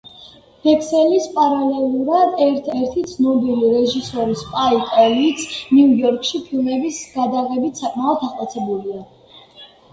ვექსელის პარალელურად, ერთ-ერთი ცნობილი რეჟისორი სპაიკ ლიც, ნიუ-იორკში, ფილმების გადაღებით საკმაოდ აღტაცებულია.